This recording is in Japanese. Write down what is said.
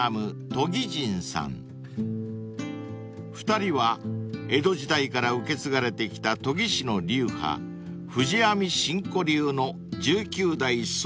［２人は江戸時代から受け継がれてきた研ぎ師の流派藤阿彌神古流の１９代宗家に師事］